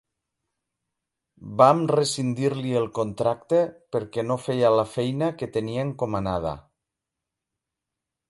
Vam rescindir-li el contracte perquè no feia la feina que tenia encomanada.